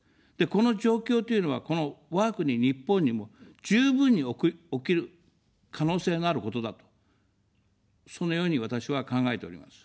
この状況というのは、この我が国、日本にも十分に起きる可能性があることだと、そのように私は考えております。